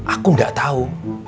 aku gak tau